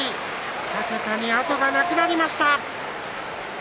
２桁に後がなくなりました。